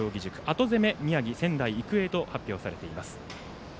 後攻め、宮城・仙台育英と発表されてます。